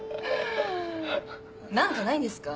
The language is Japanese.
何かないんですか？